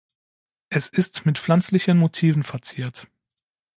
Es ist mit pflanzlichen Motiven verziert.